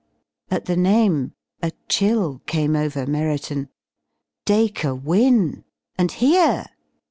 At the name a chill came over Merriton. Dacre Wynne! And here!